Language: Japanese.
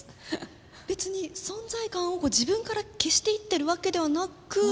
別に存在感を自分から消していってるわけではなく？